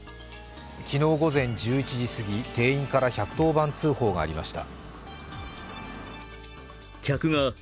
昨日午前１１時過ぎ店員から１１０番通報がありました。